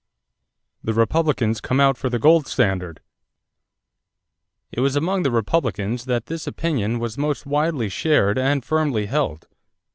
=The Republicans Come Out for the Gold Standard.= It was among the Republicans that this opinion was most widely shared and firmly held.